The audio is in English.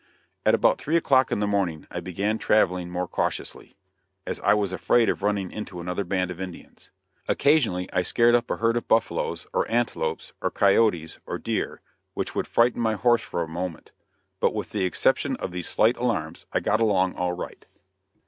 At about three o'clock in the morning I began traveling more cautiously, as I was afraid of running into another band of Indians. Occasionally I scared up a herd of buffaloes or antelopes, or coyotes, or deer, which would frighten my horse for a moment, but with the exception of these slight alarms I got along all right.